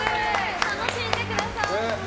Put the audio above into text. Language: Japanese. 楽しんでください。